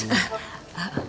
maaf ya pak biru